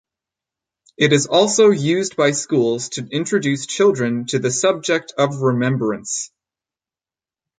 It is also used by schools to introduce children to the subject of remembrance.